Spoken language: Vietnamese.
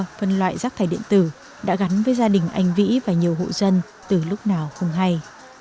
phân loại rác thải điện tử đã gắn với gia đình anh vĩ và nhiều hộ dân từ lúc nào không hay